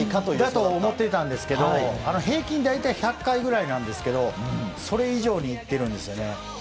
だと思っていましたが平均大体１００回ぐらいなんですがそれ以上にいってるんです。